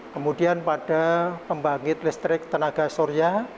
kemudian pada pembangkit listrik tenaga surya